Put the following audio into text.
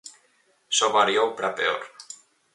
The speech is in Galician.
Só variou para peor.